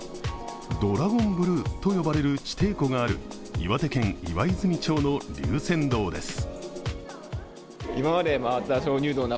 ドラゴンブルーと呼ばれる地底湖がある岩手県岩泉町の龍泉洞です。